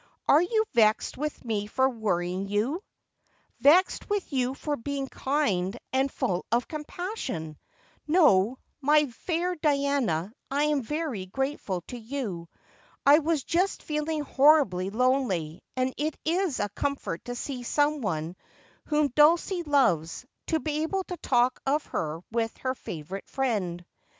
Are you vexed with me for worrying you '?'' Vexed with you for being kind and full of compa sion I Xo, my fair Diana, I am very grateful to you. I was just feeling horribly lonely, and it is a comfort to see some one whom Dalcie loves, to be able to talk of her with her favourite friend.'